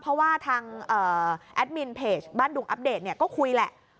เพราะว่าทางแอดมินเพจบ้านดุงอัปเดตก็คุยแหละ